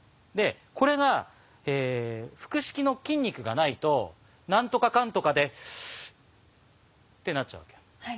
これが腹式の筋肉がないと「何とかかんとかでス」。ってなっちゃうわけよ。